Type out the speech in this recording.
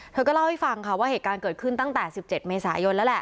เธอก็เล่าให้ฟังค่ะว่าเหตุการณ์เกิดขึ้นตั้งแต่๑๗เมษายนแล้วแหละ